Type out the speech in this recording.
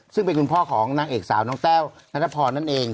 ซึ่งเป็นคุณพ่อของนางเอกสาวน้องแต้วนัทพรนั่นเอง